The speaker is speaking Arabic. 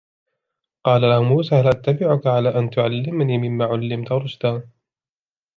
قال له موسى هل أتبعك على أن تعلمن مما علمت رشدا